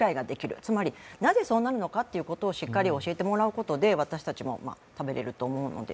つまり、なぜそうなるのかっていうことをしっかり教えてもらうことで私たちも食べれると思うので。